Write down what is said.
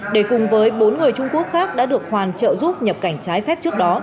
để cùng với bốn người trung quốc khác đã được hoàn trợ giúp nhập cảnh trái phép trước đó